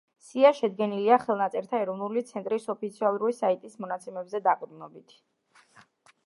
სია შედგენილია ხელნაწერთა ეროვნული ცენტრის ოფიციალური საიტის მონაცემებზე დაყრდნობით.